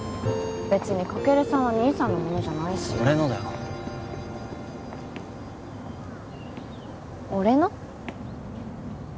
別にカケルさんは兄さんのものじゃないし俺のだよ俺の？